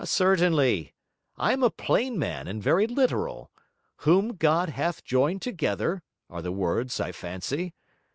'Certainly. I am a plain man and very literal. WHOM GOD HATH JOINED TOGETHER, are the words, I fancy.